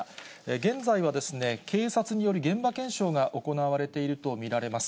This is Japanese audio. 現在は警察による現場検証が行われていると見られます。